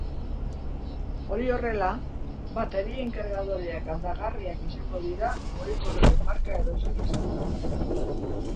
Hori horrela, baterien kargadoreak aldagarriak izango dira mugikorraren marka edozein izanda.